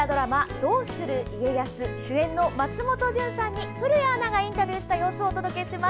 「どうする家康」主演の松本潤さんに古谷アナがインタビューした様子をお届けします。